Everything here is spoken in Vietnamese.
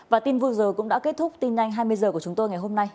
và tin vừa rồi cũng đã kết thúc tin nhanh hai mươi h của chúng tôi ngày hôm nay